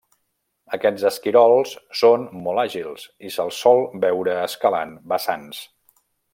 Aquests esquirols són molt àgils, i se'ls sol veure escalant vessants.